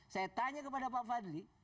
saya tanya kepada pak fadli